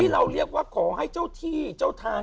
เราเรียกว่าขอให้เจ้าที่เจ้าทาง